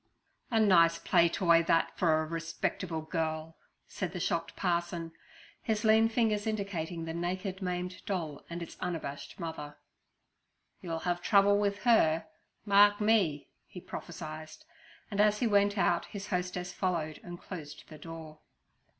'A nice play toy that for a respectable girl' said the shocked parson, his lean fingers indicating the naked, maimed doll and its unabashed mother. 'You'll have trouble with her, mark me' he prophesied; and as he went out his hostess followed and closed the door.